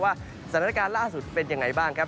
ว่าสถานการณ์ล่าสุดเป็นยังไงบ้างครับ